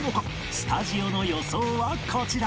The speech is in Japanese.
スタジオの予想はこちら